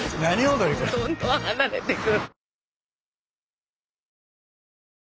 どんどん離れてく。